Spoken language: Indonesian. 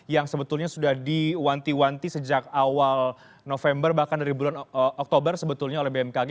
yang sebetulnya sudah diwanti wanti sejak awal november bahkan dari bulan oktober sebetulnya oleh bmkg